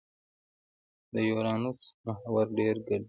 د یورانوس محور ډېر کډېر دی.